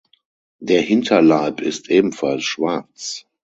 Der Hinterleib ist ebenfalls schwarz.